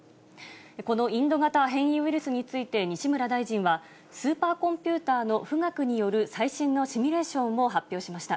このインド型変異ウイルスについて、西村大臣は、スーパーコンピューターの富岳による最新のシミュレーションを発表しました。